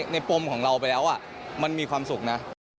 ปมของเราไปแล้วมันมีความสุขนะ